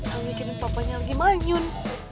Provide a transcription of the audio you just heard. aku mikirin papanya lagi manyun